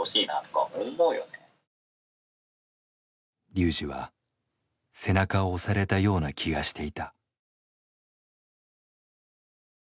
ＲＹＵＪＩは背中を押されたような気がしていた。